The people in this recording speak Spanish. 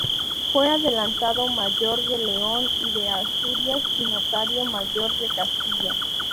Fue adelantado mayor de León y de Asturias y notario mayor de Castilla.